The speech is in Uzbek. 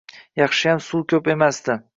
Yaxshiyam suv ko‘p emasdi